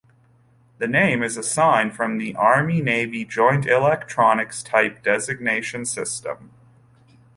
The name is assigned from the Army Navy Joint Electronics Type Designation System.